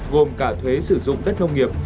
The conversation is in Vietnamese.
gồm cả thuế sử dụng đất nông nghiệp